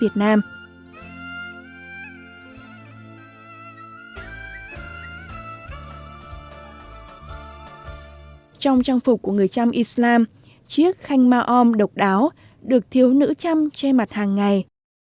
trong trang phục của người chăm islam chiếc khanh mao ôm độc đáo được thiếu nữ chăm che mặt hàng ngày